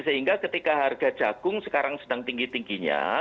sehingga ketika harga jagung sekarang sedang tinggi tingginya